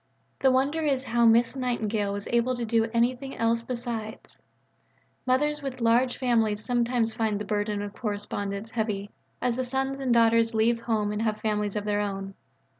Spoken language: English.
The wonder is how Miss Nightingale was able to do anything else besides. Mothers with large families sometimes find the burden of correspondence heavy as the sons and daughters leave home and have families of their own.